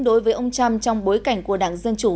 đối với ông trump trong bối cảnh của đảng dân chủ